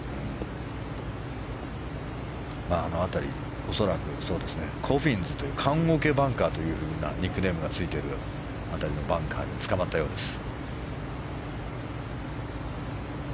あの辺り、恐らくコフィンズという棺桶バンカーというニックネームがついているバンカーにつかまったようです。